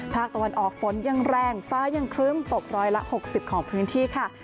ภาคตะวันออกฝนยังแรงฟ้ายังครึ้มตกร้อยละ๖๐ของพื้นที่ค่ะ